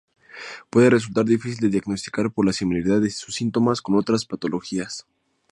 Puede resultar difícil de diagnosticar por la similaridad de sus síntomas con otras patologías.